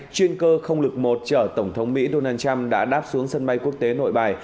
chuyên cơ không lực một chở tổng thống mỹ donald trump đã đáp xuống sân bay quốc tế nội bài